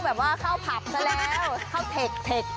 ก็ต้องข้าวผับแล้วเข้าเทคเทค